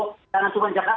karena cuma jawab pak